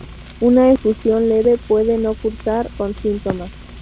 Una efusión leve puede no cursar con síntomas.